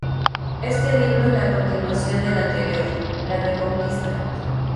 Este libro es la continuación del anterior, La reconquista.